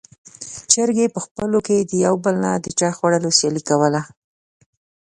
چرګې په خپلو کې د يو بل نه د چای خوړلو سیالي کوله.